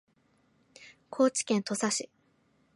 高知県土佐市